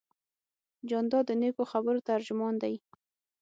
جانداد د نیکو خبرو ترجمان دی.